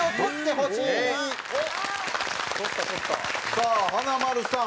さあ華丸さん